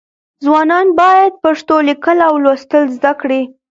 ځوانان باید پښتو لیکل او لوستل زده کړي.